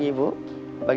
dia merasa sakit